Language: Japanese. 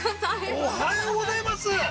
◆おはようございます。